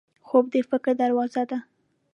خوب د فکر دروازه ده